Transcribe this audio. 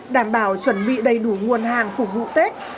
đảm bảo chuẩn bị đầy đủ nguồn hàng phục vụ tết